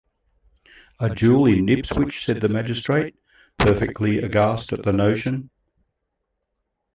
A duel in Ipswich!’ said the magistrate, perfectly aghast at the notion.